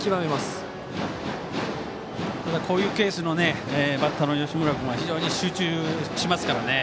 ただ、こういうケースのバッターの吉村君は非常に集中しますからね。